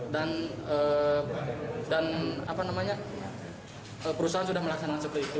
dan perusahaan sudah melaksanakan seperti itu